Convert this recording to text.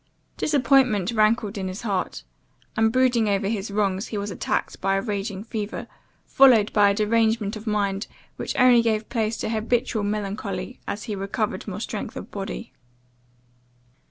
Disappointment rankled in his heart; and, brooding over his wrongs, he was attacked by a raging fever, followed by a derangement of mind, which only gave place to habitual melancholy, as he recovered more strength of body.